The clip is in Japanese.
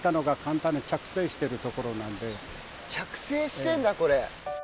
着生してんだこれ。